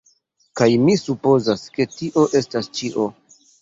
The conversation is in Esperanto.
Kaj mi supozas ke tio estas ĉio.